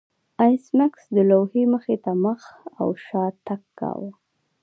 ایس میکس د لوحې مخې ته مخ او شا تګ کاوه